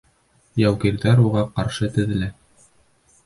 Яугирҙар уға ҡаршы теҙелә.